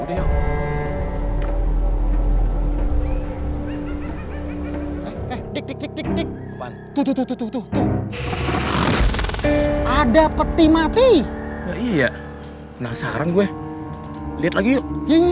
dikit dikit tuh tuh tuh tuh tuh tuh ada peti mati iya penasaran gue lihat lagi yuk